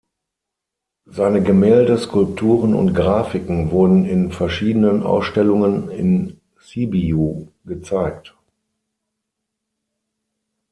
Seine Gemälde, Skulpturen und Grafiken wurden in verschiedenen Ausstellungen in Sibiu gezeigt.